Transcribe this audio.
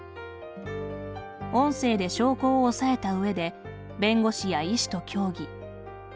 音声で証拠を押さえた上で弁護士や医師と協議。